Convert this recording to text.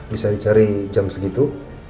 bisa dicari jam segitu